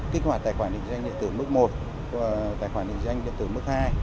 kích hoạt tài khoản định danh điện tử mức một tài khoản định danh điện tử mức hai